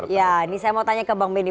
ya ini saya mau tanya ke bang benny